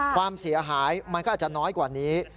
ความเสียหายมันก็อาจจะน้อยกว่านี้